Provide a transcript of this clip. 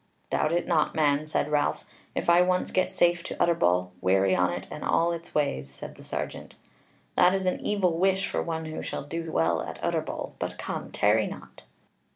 "Doubt it not, man," said Ralph, "if I once get safe to Utterbol: weary on it and all its ways!" Said the sergeant: "That is an evil wish for one who shall do well at Utterbol. But come, tarry not."